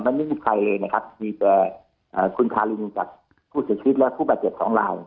มันไม่มีใครเลยนะครับมีแต่คุณทารินกับผู้เสียชีวิตและผู้บาดเจ็บสองลาย